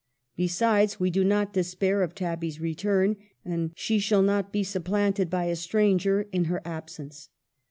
Besides, we do not despair of Tabby's return, and she shall not be sup planted by a stranger in her absence.